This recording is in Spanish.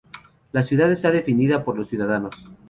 La ciudad está definida por los ciudadanos.